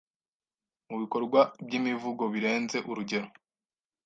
mubikorwa byimivugo birenze urugero